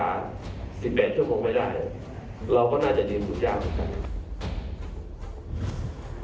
เราก็น่าจะดีกว่าผู้ชาวในสักครู่